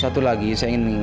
sampai kutanyakan lagi